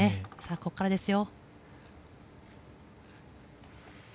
ここからですよ。